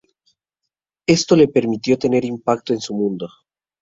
Esto le permitió tener impacto en su mundo.